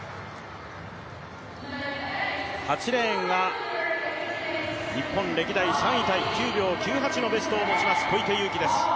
８レーンは、日本歴代３位タイ９秒９８のベストを持ちます小池祐貴です。